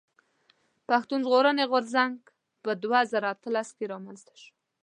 پښتون ژغورني غورځنګ په دوه زره اتلس کښي رامنځته شو.